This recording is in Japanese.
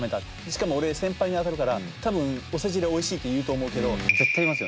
しかも俺先輩にあたるから多分お世辞で「おいしい」って言うと思うけど。